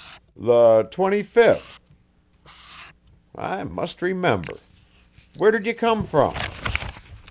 'The twenty fifth.' 'I must remember. Where did you come from?'